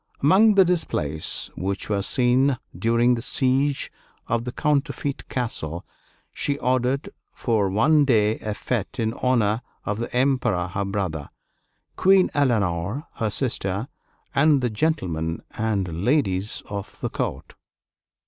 Among the displays which were seen during the siege of a counterfeit castle, she ordered for one day a fête in honor of the Emperor her brother, Queen Eleanor her sister, and the gentlemen and ladies of the court.